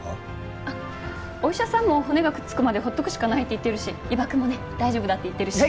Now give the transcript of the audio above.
お医者さんも骨がくっつくまで放っておくしかないって言ってるし伊庭くんもね大丈夫だって言ってるし。